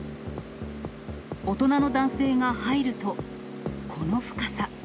大人の男性が入るとこの深さ。